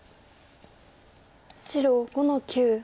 白５の九。